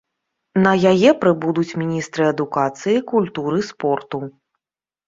На яе прыбудуць міністры адукацыі, культуры, спорту.